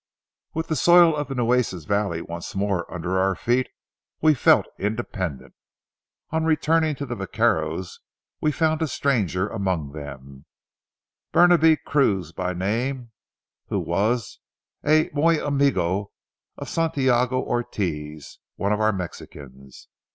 With the soil of the Nueces valley once more under our feet we felt independent. On returning to the vaqueros, we found a stranger among them, Bernabe Cruze by name, who was a muy amigo of Santiago Ortez, one of our Mexicans.